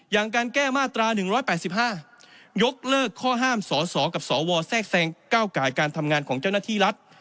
อย่างการแก้มาตรา๑๘๕ยกเลิกข้อห้ามสสกับสวแทรกแซงก้าวไก่การทำงานของเจ้าหน้าที่รัฐ